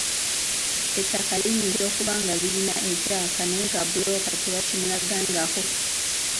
Ettaka liyinza okuba nga lirina ekyapa naye nga bbulooka tebakimulagangako.